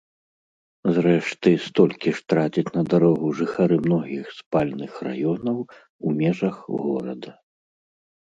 Зрэшты, столькі ж трацяць на дарогу жыхары многіх спальных раёнаў у межах горада.